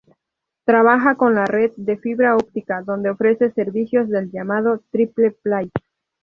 Trabaja con la red de fibra óptica, donde ofrece servicios del llamado triple play.